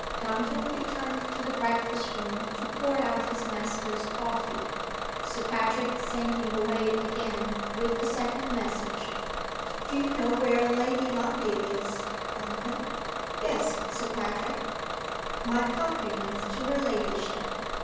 Duncan returned to the breakfast room to pour out his master's coffee. Sir Patrick sent him away again with a second message, "Do you know where Lady Lundie is, Duncan?" "Yes, Sir Patrick." "My compliments to her ladyship.